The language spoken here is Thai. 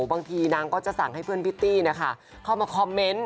บางทีนางก็จะสั่งให้เพื่อนพิตตี้เข้ามาคอมเมนต์